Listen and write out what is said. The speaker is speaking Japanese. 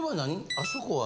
あそこは。